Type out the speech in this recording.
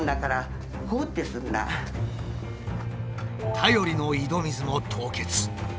頼りの井戸水も凍結。